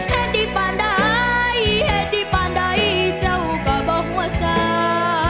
ให้ได้ภัณฑ์ได้เผยได้ภัณฑ์ได้เจ้าก็บอกว่าซา